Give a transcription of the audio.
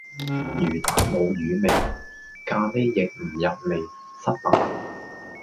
魚蛋冇魚味，咖喱亦唔入味，失敗